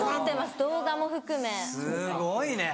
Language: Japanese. すごいね！